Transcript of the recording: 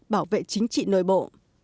bảo vệ chính trị nội bộ